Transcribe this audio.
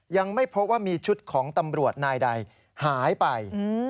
ยังไม่พบว่ามีชุดของตำรวจนายใดหายไป